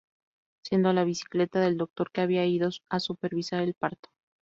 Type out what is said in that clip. Siendo la bicicleta del doctor que había ido a supervisar el parto.